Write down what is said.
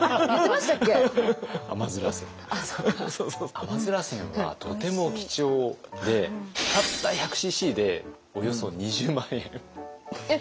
甘煎はとても貴重でたった１００ｃｃでおよそ２０万円。えっ！？